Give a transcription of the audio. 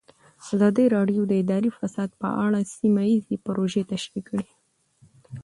ازادي راډیو د اداري فساد په اړه سیمه ییزې پروژې تشریح کړې.